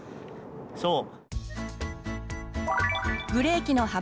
そう。